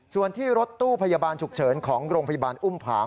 ส่วนที่รถตู้พยาบาลฉุกเฉินของโรงพยาบาลอุ้มผาง